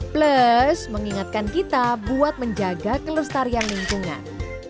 plus mengingatkan kita buat menjaga kelestarian lingkungan